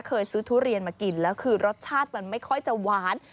เคยซื้อทุเรียนมากินแล้วคือรสชาติมันไม่ค่อยจะหวาน